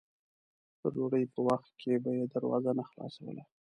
د ډوډۍ په وخت کې به یې دروازه نه خلاصوله.